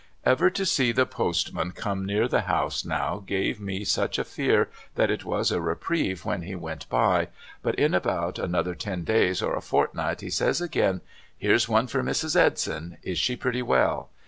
Ever to see the postman come near the iiouse now gave me such a fear that it w'as a reprieve when he went by, but in about another ten days or a fortnight he says again, ' Here's one for Mrs. Edson, — Is she pretty well?'